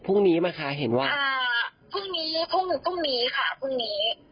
พรุ่งนี้นะคะเห็นว่าอ่าพรุ่งนี้พรุ่งนี้ค่ะพรุ่งนี้